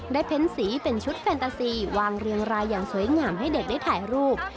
เพ้นสีเป็นชุดแฟนตาซีวางเรียงรายอย่างสวยงามให้เด็กได้ถ่ายรูป